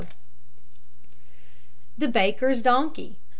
THE BAKER'S DONKEY.